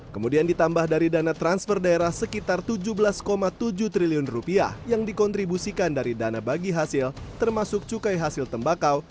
kemudian ditambah dari dana transfer daerah sekitar rp tujuh belas tujuh triliun rupiah yang dikontribusikan dari dana bagi hasil termasuk cukai hasil tembakau